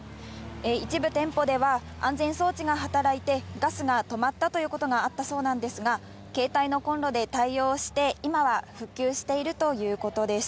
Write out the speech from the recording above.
一部店舗では、安全装置が働いて、ガスが止まったということがあったそうなんですが、携帯のコンロで対応して、今は復旧しているということです。